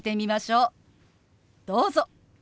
どうぞ。